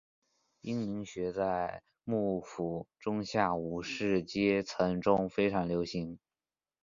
阳明学在幕府中下武士阶层中非常流行。